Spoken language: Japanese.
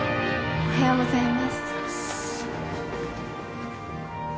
おはようございます。